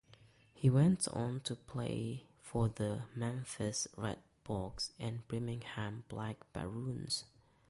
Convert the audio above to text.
He went on to play for the Memphis Red Sox and Birmingham Black Barons.